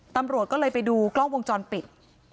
ตำรวจก็เลยไปดูกล้องวงจรปิด